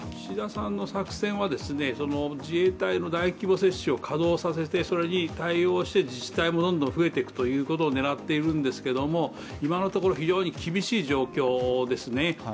岸田さんの作戦は、自衛隊の大規模接種を稼働させてそれに対応して、自治体もどんどん増えていくということを狙っているんですけども今のところ非常に厳しい状況ですね。